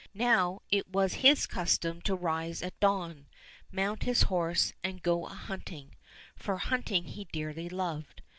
Now it was his custom to rise at dawn, mount his horse, and go a hunting, for hunting he dearly loved.